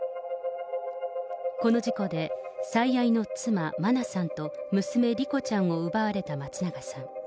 この事故で最愛の妻、真菜さんと、娘、莉子ちゃんを奪われた松永さん。